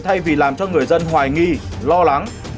thay vì làm cho người dân hoài nghi lo lắng